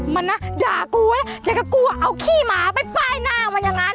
มันนะด่ากูไว้แล้วก็กลัวเอาขี้หมาไปป้ายหน้ามันอย่างนั้น